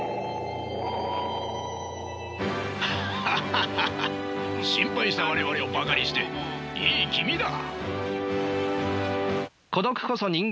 ハハハハ心配した我々をバカにしていい気味だ。